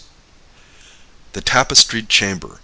The Tapestried Chamber.